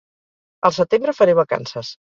Al setembre faré vacances